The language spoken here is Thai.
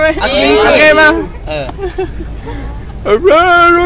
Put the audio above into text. ไม่น่าจะร